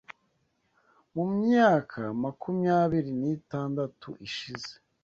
mu myaka makumyabiri nitandatu ishize